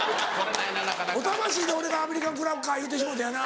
「お魂」で俺が「アメリカンクラッカー」言うてしもうてやな。